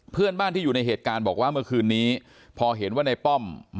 เพื่อนบ้านที่อยู่ในเหตุการณ์บอกว่าเมื่อคืนนี้พอเห็นว่าในป้อม